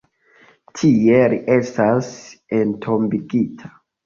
Tie li estas entombigita.